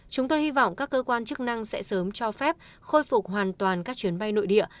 chúng tôi hy vọng các cơ quan chức năng sẽ sớm cho phép khôi phục hoàn toàn các chuyến bay nội địa